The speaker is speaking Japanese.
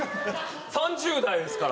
３０代ですから。